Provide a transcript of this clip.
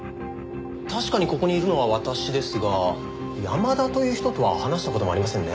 確かにここにいるのは私ですが山田という人とは話した事もありませんね。